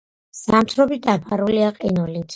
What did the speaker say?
ზამთრობით დაფარულია ყინულით.